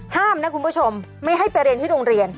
ห้ามนะคุณผู้ชมไม่ให้ไปเรียนที่โรงเรียน